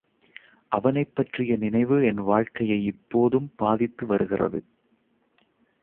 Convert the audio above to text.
அவனைப் பற்றிய நினைவு என் வாழ்க்கையை இப்போதும் பாதித்து வருகிறது.